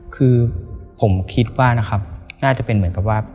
คือผมคิดว่านะครับน่าจะเป็นเหมือนกับว่า